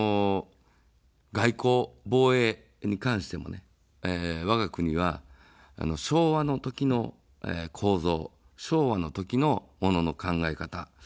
外交、防衛に関してもね、わが国は、昭和の時の構造、昭和の時のものの考え方。